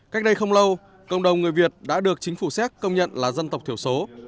cách đây không lâu cộng đồng người việt đã được chính phủ séc công nhận là dân tộc thiểu số